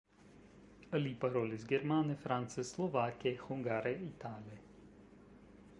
Li parolis germane, france, slovake, hungare, itale.